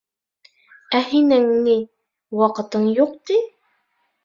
Ә һинең, ни, ваҡытың юҡ, ти.